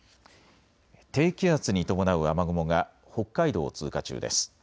低気圧に伴う雨雲が北海道を通過中です。